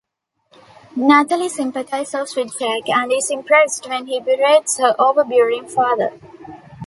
Natalie sympathizes with Jack, and is impressed when he berates her overbearing father.